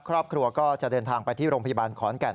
ครอบครัวก็จะเดินทางไปที่โรงพยาบาลขอนแก่น